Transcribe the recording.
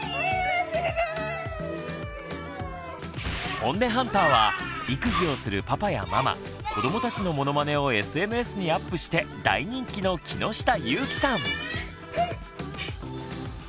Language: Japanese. ホンネハンターは育児をするパパやママ子どもたちのモノマネをＳＮＳにアップして大人気の木下ゆーきさん。